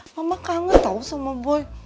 mama kangen tau sama boy